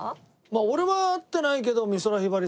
俺は会ってないけど。